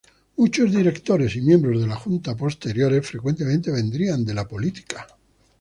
Muchos directores y miembros de la junta posteriores frecuentemente vendrían de la política.